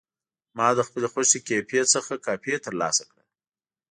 ما د خپلې خوښې کیفې څخه کافي ترلاسه کړه.